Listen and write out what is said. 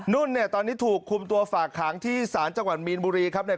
นุ่นเนี่ยตอนนี้ถูกคุมตัวฝากขังที่ศาลจังหวัดมีนบุรีครับเนี่ย